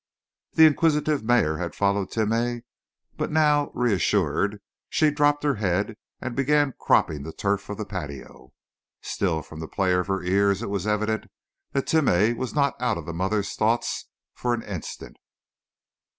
The inquisitive mare had followed Timeh, but now, reassured, she dropped her head and began cropping the turf of the patio. Still, from the play of her ears, it was evident that Timeh was not out of the mother's thoughts for an instant.